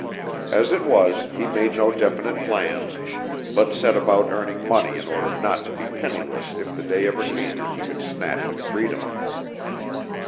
As it was, he made no definite plans, but set about earning money in order not to be penniless if the day ever came when he could snatch at freedom.